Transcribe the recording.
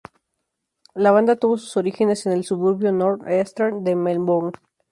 La banda tuvo sus orígenes en en el suburbio North Eastern de Melbourne.